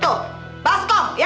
tuh baskom ya